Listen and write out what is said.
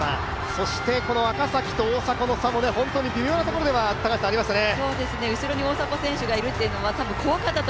そして、赤崎と大迫の差も本当に微妙なところではありましたね。